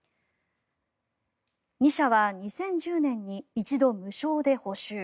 ２社は２０１０年に一度、無償で補修。